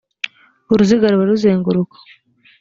uruziga ruba ruzenguruka.